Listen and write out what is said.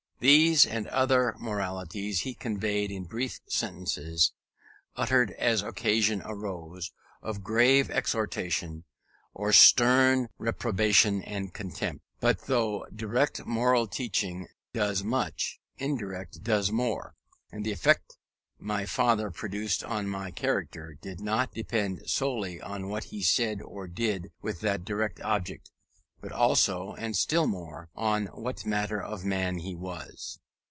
These and other moralities he conveyed in brief sentences, uttered as occasion arose, of grave exhortation, or stern reprobation and contempt. But though direct moral teaching does much, indirect does more; and the effect my father produced on my character, did not depend solely on what he said or did with that direct object, but also, and still more, on what manner of man he was.